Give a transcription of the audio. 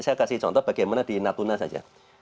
saya kasih contoh bagaimana di natuna saja